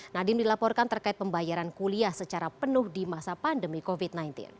nadiem dilaporkan terkait pembayaran kuliah secara penuh di masa pandemi covid sembilan belas